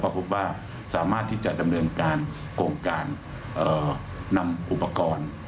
พบว่าสามารถที่จะดำเนินการโครงการนำอุปกรณ์